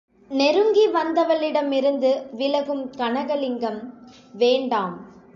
நெருங்கி வந்தவளிட மிருந்து விலகும் கனகலிங்கம், வேண்டாம்!